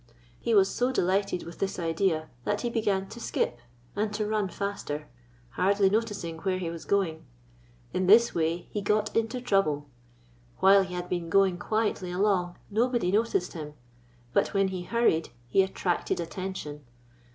'' He was so delighted with this idea that he began to skip, and to run faster, hardly noticing where he was going. In this way he got into trouble. While he had been going quietly along nobody noticed him ; but when he hur ried he attracted attention.